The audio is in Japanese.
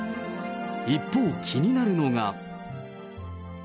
一方、気になるのが。